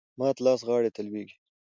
مات لاس غاړي ته لویږي .